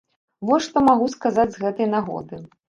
Вось што магу сказаць з гэтай нагоды.